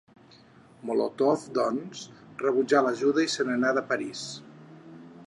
Molotov, doncs, rebutjà l'ajuda i se n'anà de París.